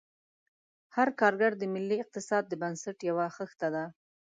هر کارګر د ملي اقتصاد د بنسټ یوه خښته ده.